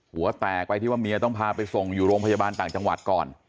หัวแตกไปที่ว่าเมียต้องพาไปส่งอยู่โรงพยาบาลต่างจังหวัดก่อน